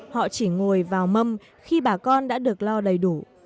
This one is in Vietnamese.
họ chỉ ngồi vào mâm khi bà con đã được lo đầy đủ